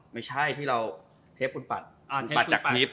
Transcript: ไม่ใช่ที่เราเทปคุณปัด